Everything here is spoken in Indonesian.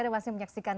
ada masih menyaksikan